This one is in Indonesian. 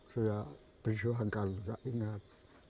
sudah berjuang kan nggak ingat